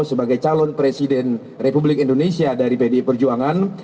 sebagai calon presiden republik indonesia dari pdi perjuangan